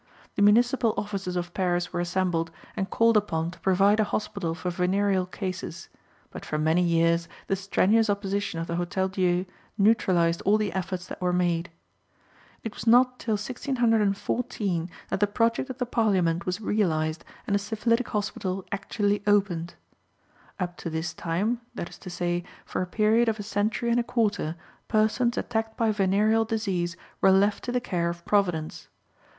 The municipal officers of Paris were assembled, and called upon to provide a hospital for venereal cases; but for many years the strenuous opposition of the Hotel Dieu neutralized all the efforts that were made. It was not till 1614 that the project of the Parliament was realized, and a syphilitic hospital actually opened. Up to this time, that is to say, for a period of a century and a quarter, persons attacked by venereal disease were left to the care of Providence.